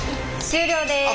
終了です。